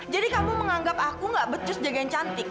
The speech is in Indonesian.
jadi kamu menganggap aku nggak becus jaga yang cantik